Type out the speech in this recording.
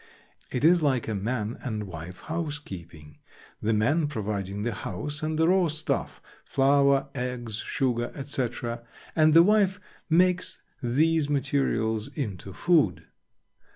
It is like a man and wife housekeeping, the man providing the house and the raw stuff—flour, eggs, sugar, etc.—and the wife makes these materials into food.